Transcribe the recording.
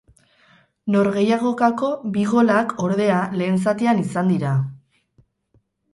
Norgehiagokako bi golak, ordea, lehen zatian izan dira.